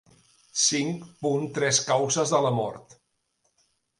Cinc punt tres Causes de la mort.